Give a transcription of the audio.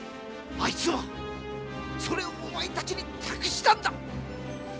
あいつはそれをお前たちに託したんだ！